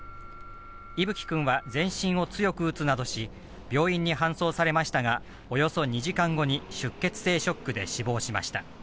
偉楓君は全身を強く打つなどし、病院に搬送されましたが、およそ２時間後に出血性ショックで死亡しました。